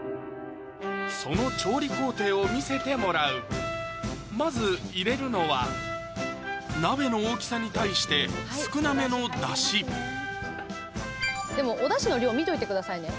その調理工程を見せてもらうまず入れるのは鍋の大きさに対して少なめのだしでもおだしの量見といてくださいね